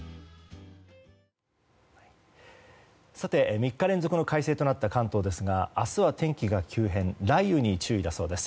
３日連続の快晴となった関東ですが明日は天気が急変雷雨に注意だそうです。